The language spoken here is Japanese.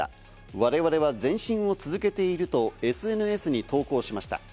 我々は前進を続けているとＳＮＳに投稿しました。